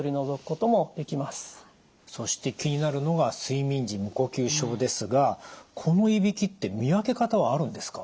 そして気になるのが睡眠時無呼吸症ですがこのいびきって見分け方はあるんですか？